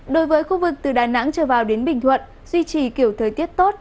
đối với khu vực từ đà nẵng trở vào đến bình thuận duy trì kiểu thời tiết tốt